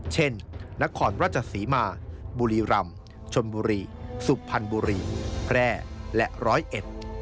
เช่นนครราชศรีมาบุรีรำชนบุรีสุพรรณบุรีแพร่และร้อยเอ็ด